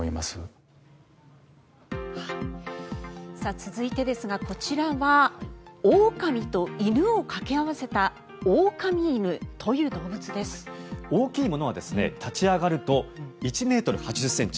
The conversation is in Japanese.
続いてですが、こちらはオオカミと犬を掛け合わせた大きいものは立ち上がると１ｍ８０ｃｍ。